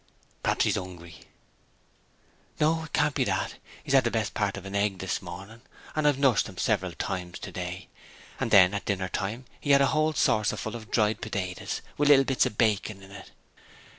'P'r'aps he's hungry.' 'No, it can't be that. He had the best part of an egg this morning and I've nursed him several times today. And then at dinner time he had a whole saucer full of fried potatoes with little bits of bacon in it.'